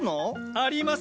あります。